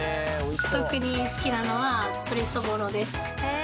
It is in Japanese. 特に好きなのは鶏そぼろです。